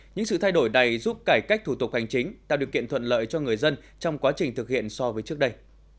những sự thay đổi này giúp cải cách thủ tục hành chính tạo điều kiện thuận lợi cho người dân trong quá trình thực hiện so với trước đây